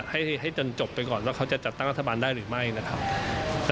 ให้จนจบไปก่อนว่าเขาจะจัดตั้งรัฐบาลได้หรือไม่นะครับ